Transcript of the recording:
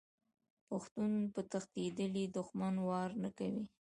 پښتون په تښتیدلي دښمن وار نه کوي.